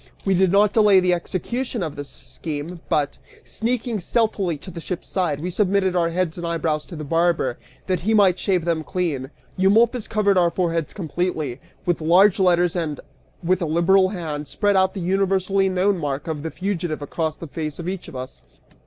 We did not delay the execution of this scheme but, sneaking stealthily to the ship's side, we submitted our heads and eyebrows to the barber, that he might shave them clean. Eumolpus covered our foreheads completely, with large letters and, with a liberal hand, spread the universally known mark of the fugitive over the face of each of us.